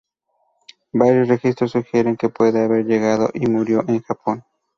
Varios registros sugieren que puede haber llegado y murió en Japón.